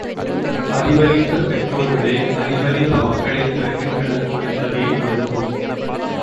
அறிவறிந்த பெற்றோர்களே அறிவறிந்த மக்களைத் தருகின்றனர் என்பதே வள்ளுவம்.